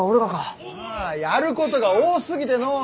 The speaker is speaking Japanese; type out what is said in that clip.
ああやることが多すぎてのう。